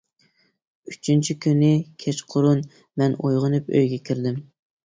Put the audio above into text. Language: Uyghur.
ئۈچىنچى كۈنى كەچقۇرۇن مەن ئويغىنىپ ئۆيگە كىردىم.